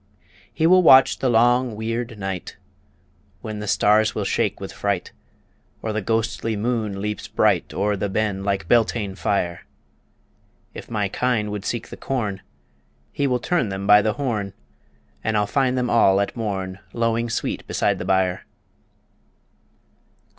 He will watch the long weird night, When the stars will shake with fright, Or the ghostly moon leaps bright O'er the ben like Beltane fire. If my kine would seek the corn, He will turn them by the horn And I'll find them all at morn Lowing sweet beside the byre.